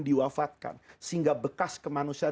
diwafatkan sehingga bekas kemanusiaan